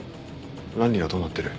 ランリーはどうなってる？